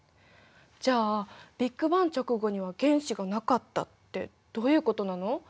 じゃあ「ビッグバン直後には原子がなかった」ってどういうことなの？